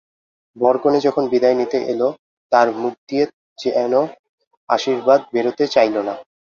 বরকনে যখন বিদায় নিতে এল তাঁর মুখ দিয়ে যেন আশীর্বাদ বেরোতে চাইল না।